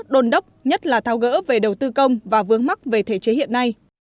đồn đốc nhất là tháo gỡ về đầu tư công và vướng mắc về thể chế hiện nay